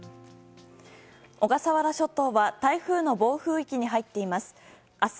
小笠原諸島は台風の暴風域に入っています。